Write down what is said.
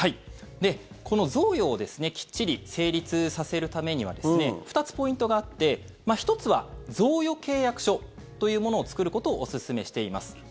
この贈与をきっちり成立させるためには２つポイントがあって１つは贈与契約書というものを作ることをおすすめしています。